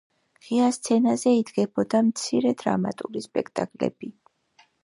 ღია სცენაზე იდგმებოდა მცირე დრამატული სპექტაკლები.